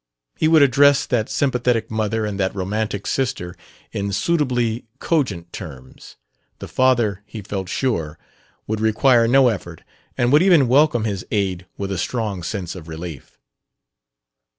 He would address that sympathetic mother and that romantic sister in suitably cogent terms; the father, he felt sure, would require no effort and would even welcome his aid with a strong sense of relief.